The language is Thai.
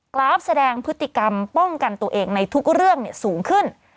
ราฟแสดงพฤติกรรมป้องกันตัวเองในทุกเรื่องสูงขึ้น